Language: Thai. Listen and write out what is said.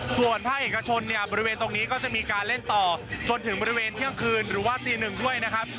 ส่วนถ้าเอกชนบริเวณตรงนี้ก็จะมีการเล่นต่อจนถึงเมื่อเว้นเที่ยวคืนหรือว่าจึงเลยนะครับ